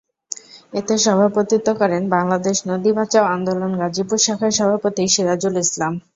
এতে সভাপতিত্ব করেন বাংলাদেশ নদী বাঁচাও আন্দোলন গাজীপুর শাখার সভাপতি সিরাজুল ইসলাম।